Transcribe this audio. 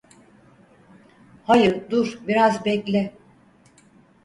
Hayır, dur biraz bekle.